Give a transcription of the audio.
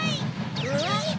えっ？